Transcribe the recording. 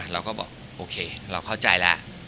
เราก็บอกโอเคเราเข้าใจแล้ว